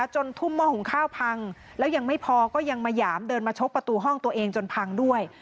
จนทุ่มหม้อของข้าวพัง